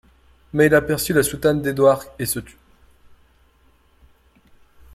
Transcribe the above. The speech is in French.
Mais il aperçut la soutane d'Édouard et se tut.